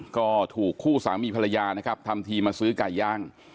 ก็ถูกคู่สามีภรรยานะครับทำทีมาซื้อไก่ย่าง